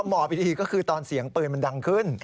หมอบอีกทีก็คือตอนเสียงปืนมันดังขึ้น